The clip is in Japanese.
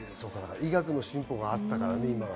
医学の進歩が今はあるからね。